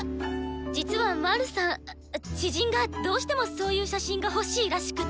実はマルさあ知人がどうしてもそういう写真が欲しいらしくて。